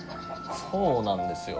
そうなんですよ。